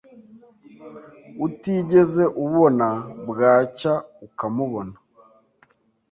utigeze ubona bwacya ukamubona.